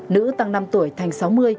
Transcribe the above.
nữ tăng năm tuổi thành sáu mươi